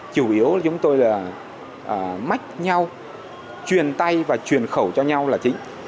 chủ yếu chúng tôi là mách nhau truyền tay và truyền khẩu cho nhau là chính